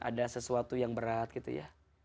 ada sesuatu yang berat gitu ya